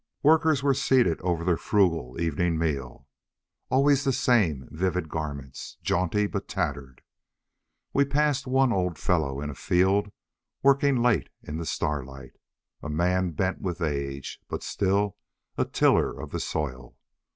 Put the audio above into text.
Workers were seated over their frugal evening meal. Always the same vivid garments, jaunty but tattered. We passed one old fellow in a field, working late in the starlight. A man bent with age, but still a tiller of the soil.